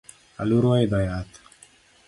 Aluru oidho yath